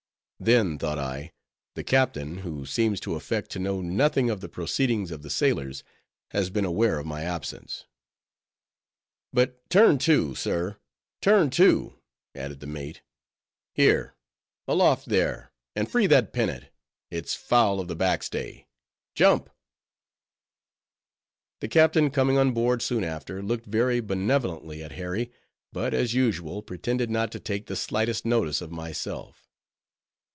Then, thought I, the captain, who seems to affect to know nothing of the proceedings of the sailors, has been aware of my absence. "But turn to, sir, turn to," added the mate; "here! aloft there, and free that pennant; it's foul of the backstay—jump!" The captain coming on board soon after, looked very benevolently at Harry; but, as usual, pretended not to take the slightest notice of myself.